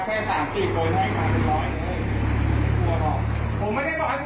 หัวใจไหม